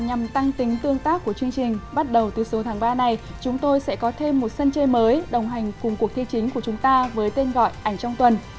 nhằm tăng tính tương tác của chương trình bắt đầu từ số tháng ba này chúng tôi sẽ có thêm một sân chơi mới đồng hành cùng cuộc thi chính của chúng ta với tên gọi ảnh trong tuần